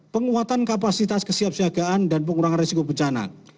penguatan kapasitas kesiapsiagaan dan pengurangan risiko bencana